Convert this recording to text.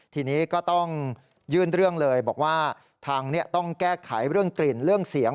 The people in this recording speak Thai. ทีนี้ก็ต้องยื่นเรื่องเลยบอกว่าทางนี้ต้องแก้ไขเรื่องกลิ่นเรื่องเสียง